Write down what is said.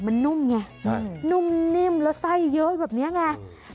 มันนุ่มไงนุ่มนิ่มแล้วไส้เยอะแบบนี้ไง